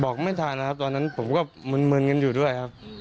บอกไม่ทันนะครับตอนนั้นผมก็มึนกันอยู่ด้วยครับ